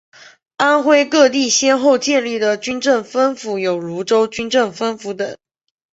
安徽各地先后建立的军政分府有庐州军政分府等。